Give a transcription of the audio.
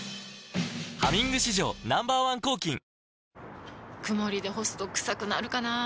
「ハミング」史上Ｎｏ．１抗菌曇りで干すとクサくなるかなぁ。